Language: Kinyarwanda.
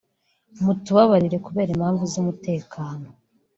mutubabarire kubera impamvu z’umutekano